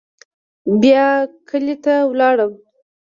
بيا کلي ته ولاړم.